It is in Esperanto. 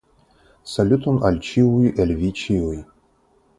Saluton al ĉiuj el vi ĉiuj!